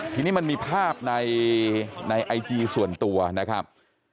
ทีนี้มันมีภาพในไอจีส่วนตัวนะครับ